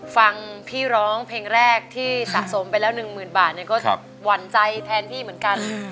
ฟังพี่ร้องเพลงแรกที่สะสมไปแล้ว๑๐๐๐บาทก็หวั่นใจแทนพี่เหมือนกัน